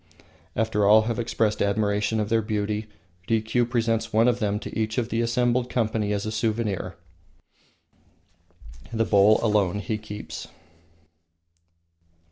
After all have expressed admiration of their beauty, Rikiu presents one of them to each of the assembled company as a souvenir. The bowl alone he keeps.